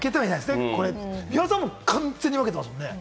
三輪さん、完全に分けてますもんね。